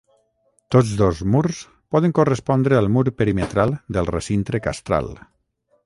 Tots dos murs poden correspondre al mur perimetral del recinte castral.